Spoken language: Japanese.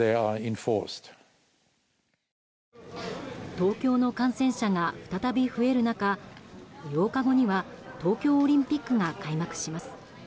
東京の感染者が再び増える中８日後には東京オリンピックが開幕します。